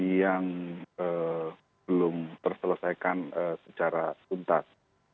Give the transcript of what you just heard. yang belum terselesaikan secara tuntas